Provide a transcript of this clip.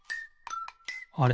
あれ？